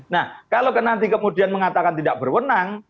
nah kalau nanti kemudian mengatakan tidak berwenang